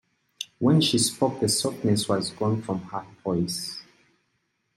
When she spoke the softness was gone from her voice.